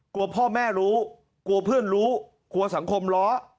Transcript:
กลัวพ่อแม่รู้กลัวเพื่อนรู้กลัวสังคมล้อ